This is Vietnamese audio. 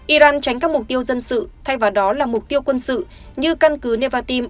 iran tránh các mục tiêu dân sự thay vào đó là mục tiêu quân sự như căn cứ nevatim